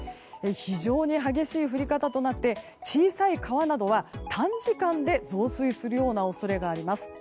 非常に激しい降り方となって小さい川などは短時間で増水するような恐れがあります。